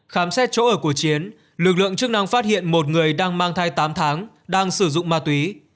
khám xét chỗ ở của chiến lực lượng chức năng phát hiện một người đang mang thai tám tháng đang sử dụng ma túy